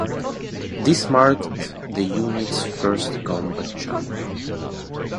This marked the unit's first combat jump.